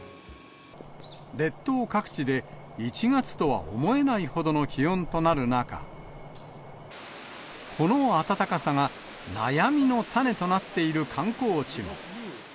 列島各地で１月とは思えないほどの気温となる中、この暖かさが、悩みの種となっている観光地も。